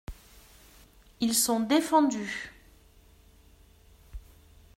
Ils sont défendus.